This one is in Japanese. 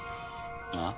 あ？